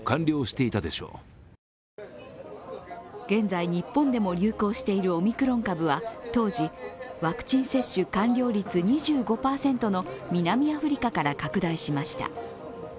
現在、日本でも流行しているオミクロン株は当時、ワクチン接種完了率２５％の南アフリカから拡大しました。